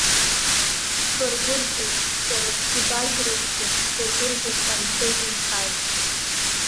Сбыргәырӷьеит, бҿаразгьы, бажәразгьы бзыргәырӷьаша анцәа ибиҭааит.